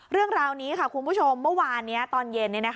เรื่องราวนี้ค่ะคุณผู้ชมเมื่อวานนี้ตอนเย็น